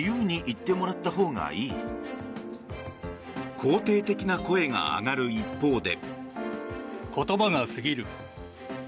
肯定的な声が上がる一方で。